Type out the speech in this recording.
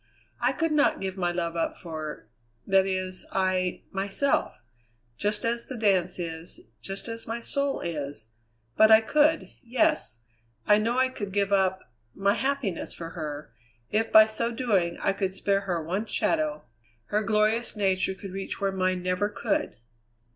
"I could not give my love up for that is I, myself; just as the dance is just as my soul is but I could; yes, I know I could give up my happiness for her, if by so doing I could spare her one shadow. Her glorious nature could reach where mine never could."